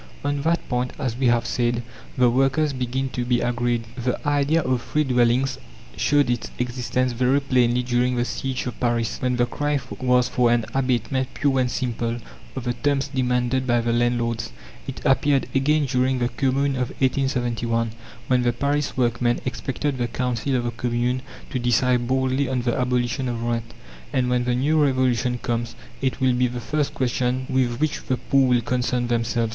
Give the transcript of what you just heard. On that point, as we have said, the workers begin to be agreed. The idea of free dwellings showed its existence very plainly during the siege of Paris, when the cry was for an abatement pure and simple of the terms demanded by the landlords. It appeared again during the Commune of 1871, when the Paris workmen expected the Council of the Commune to decide boldly on the abolition of rent. And when the New Revolution comes, it will be the first question with which the poor will concern themselves.